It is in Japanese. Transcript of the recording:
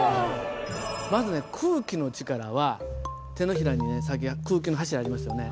まずね空気の力は手のひらにねさっき空気の柱ありましたよね。